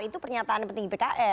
itu pernyataan penting di pks